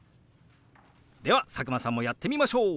では佐久間さんもやってみましょう！